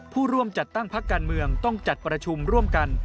ผู้ร่วมจัดตั้งพักการเมืองต้องจัดประชุมร่วมกัน